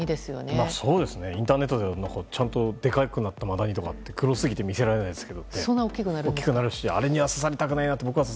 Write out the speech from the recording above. インターネットでちゃんとでかくなったマダニとかグロすぎて見せられないですが大きくなるしあれには刺されたくないなって。